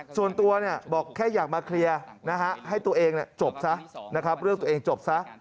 ส่วนตัวบอกแค่อยากมาเคลียร์ให้ตัวเองจบซะนะครับเรื่องตัวเองจบซะ